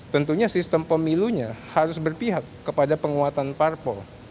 tentunya sistem pemilunya harus berpihak kepada penguatan parpol